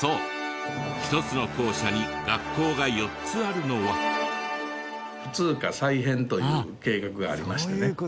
そう１つの校舎に学校が４つあるのは。という計画がありましてね。